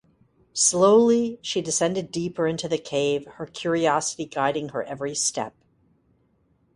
Slowly, she descended deeper into the cave, her curiosity guiding her every step.